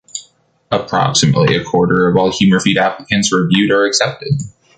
Approximately a quarter of all HumorFeed applicants reviewed are accepted.